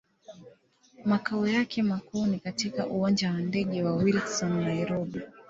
Makao yake makuu ni katika Uwanja wa ndege wa Wilson, Nairobi.